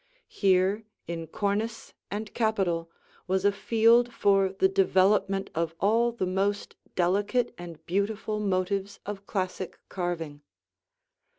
Here in cornice and capital was a field for the development of all the most delicate and beautiful motives of classic carving.